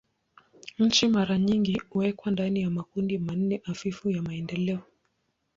Nchi mara nyingi huwekwa ndani ya makundi manne hafifu ya maendeleo.